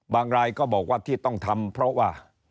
รายก็บอกว่าที่ต้องทำเพราะว่า